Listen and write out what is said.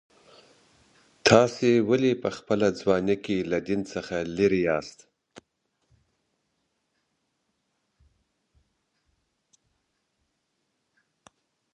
تاسي ولي په خپله ځواني کي له دین څخه لیري یاست؟